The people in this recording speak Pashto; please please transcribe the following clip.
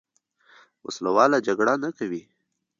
وسله واله جګړه نه کوي.